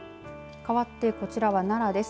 かわってこちらは奈良です。